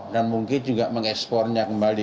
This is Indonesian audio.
dan mungkin juga mengekspornya kembali